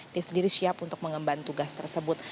dia sendiri siap untuk mengemban tugas tersebut